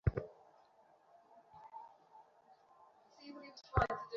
হেমনলিনী চুপ করিয়া তাঁহার পাশে দাঁড়াইয়া রহিল।